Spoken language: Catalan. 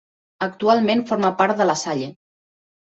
Actualment forma part de La Salle.